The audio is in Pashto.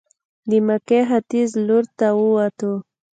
د مکې ختیځ لورته ووتو.